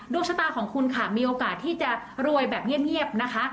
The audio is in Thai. ชะตาของคุณค่ะมีโอกาสที่จะรวยแบบเงียบนะคะ